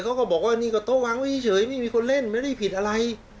เขาก็บอกว่านี่ก็โต๊ะวางไว้เฉยไม่มีคนเล่นไม่ได้ผิดอะไร